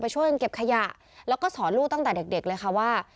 ช่วยกันเก็บขยะแล้วก็สอนลูกตั้งแต่เด็กเลยค่ะว่า